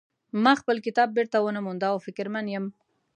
ما خپل کتاب بیرته ونه مونده او فکرمن یم